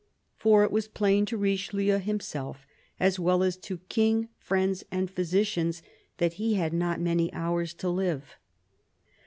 For it was plain to Richelieu himself, as well as to King, friends, and physicians, that he had not many hours to live.